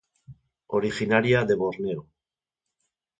Originaria de Borneo.